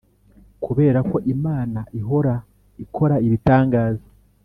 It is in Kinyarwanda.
Kubera ko Imana ihora ikora ibitangaza